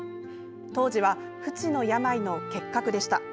当時は不治の病の結核でした。